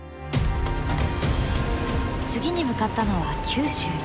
次に向かったのは九州。